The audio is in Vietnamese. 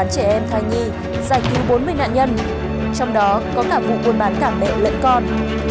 bán trẻ em thai nhi giải cứu bốn mươi nạn nhân trong đó có cả vụ buôn bán cảng bẹo lẫn con